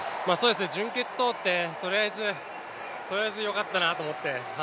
準決通って、とりあえずよかったなと思って。